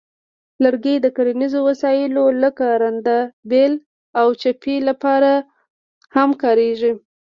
لرګي د کرنیزو وسایلو لکه رنده، بیل، او چپې لپاره هم کارېږي.